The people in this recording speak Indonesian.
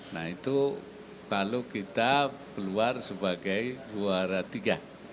nah itu lalu kita keluar sebagai juara tiga